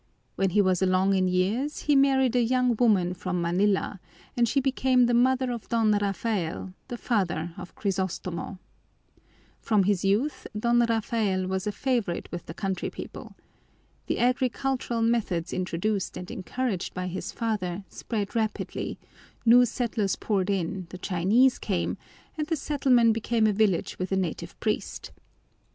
When he was along in years, he married a young woman from Manila, and she became the mother of Don Rafael, the father of Crisostomo. From his youth Don Rafael was a favorite with the country people. The agricultural methods introduced and encouraged by his father spread rapidly, new settlers poured in, the Chinese came, and the settlement became a village with a native priest.